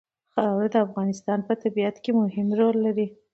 خاوره د افغانستان په طبیعت کې مهم رول لري.